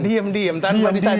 diem diem tanpa disadari